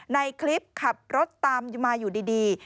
ในคลิปขับรถตามมาอยู่ดี